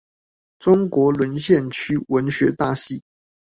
中國淪陷區文學大系